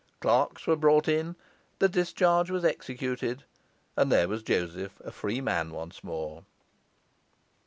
Clerks were brought in, the discharge was executed, and there was Joseph a free man once more.